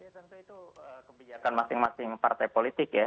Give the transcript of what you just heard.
ya tentu itu kebijakan masing masing partai politik ya